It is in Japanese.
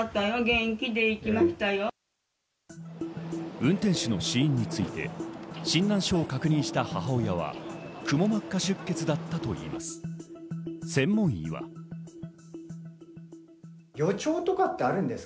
運転手の死因について診断書を確認した母親はくも膜下出血だったといいます。